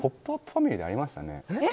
ファミリーでありましたね。